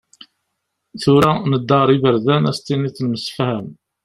Tura, nedda ar yiberdan, Ad as-tiniḍ nemsefham.